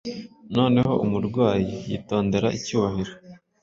Noneho umurwanyi- yitondera icyubahiro